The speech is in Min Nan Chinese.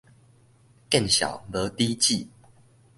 見笑無底止